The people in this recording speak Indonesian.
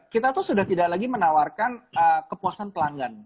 kita tuh sudah tidak lagi menawarkan kepuasan pelanggan